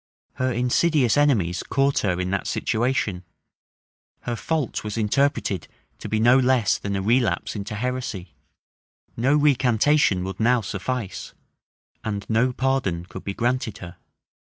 Her insidious enemies caught her in that situation: her fault was interpreted to be no less than a relapse into heresy: no recantation would now suffice; and no pardon could be granted her.